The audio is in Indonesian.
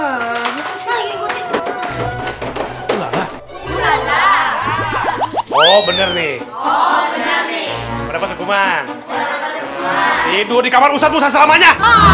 oh bener nih oh bener nih berapa kekuman itu dikamar usah selamanya